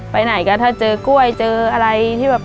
ไปไหนก็ถ้าเจอกล้วยเจออะไรที่แบบ